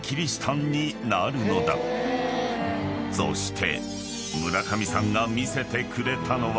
［そして］